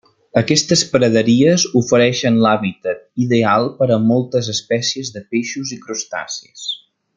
Aquestes praderies ofereixen l'hàbitat ideal per a moltes espècies de peixos i crustacis.